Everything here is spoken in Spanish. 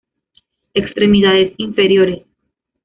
Extremidades inferiores.